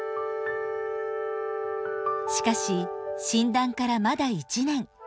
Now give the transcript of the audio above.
しかし診断からまだ１年。